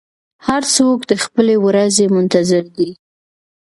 هر څوک د خپلې ورځې منتظر دی.